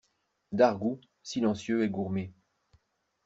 D'Argout, silencieux et gourmé.